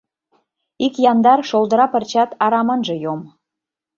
Ик яндар, шолдыра пырчат арам ынже йом.